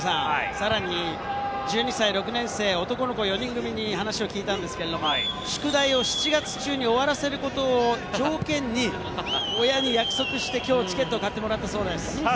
さらに１２歳、６年生、男の子４人組に話を聞いたんですけれど、宿題を７月中に終わらせることを条件に親に約束して、きょうチケットを買ってもらったそうです。